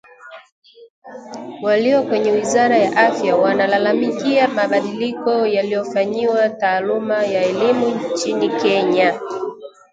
Walio kwenye wizara ya afya wanalalamikia mabadiliko yaliyofayiwa taaluma ya elumu nchini Kenya.